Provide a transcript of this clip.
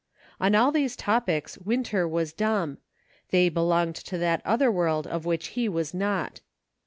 On all these topics Winter was dumb ; they belonged to that other world of which he was not.